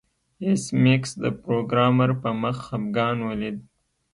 ایس میکس د پروګرامر په مخ خفګان ولید